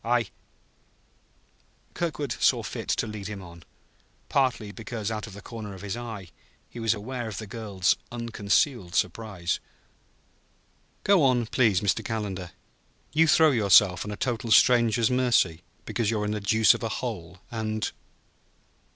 I I " Kirkwood saw fit to lead him on; partly because, out of the corner of his eye, he was aware of the girl's unconcealed suspense. "Go on, please, Mr. Calendar. You throw yourself on a total stranger's mercy because you're in the deuce of a hole; and